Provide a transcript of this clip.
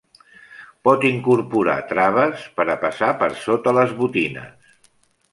Pot incorporar traves per a passar per sota les botines.